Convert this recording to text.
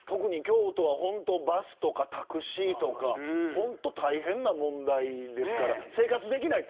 京都はバスとかタクシーとか大変な問題ですから生活できない。